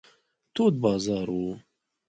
تود بازار و.